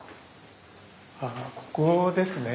ああここですね。